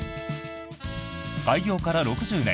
開業から６０年